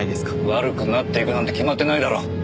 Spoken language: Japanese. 悪くなっていくなんて決まってないだろ。